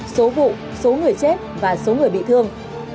số vụ số người chết và số người bị thương